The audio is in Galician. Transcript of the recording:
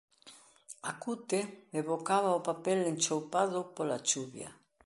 A cute evocaba o papel enchoupado pola chuvia.